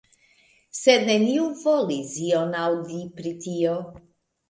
Sed neniu volis ion aŭdi pri tio.